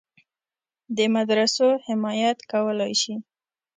د مدرسو حمایت کولای شي.